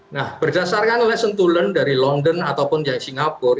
nah berdasarkan lesson to learned dari london ataupun dari singapura